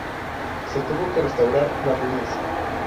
Se tuvo que restaurar las ruinas.